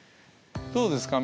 どうですか？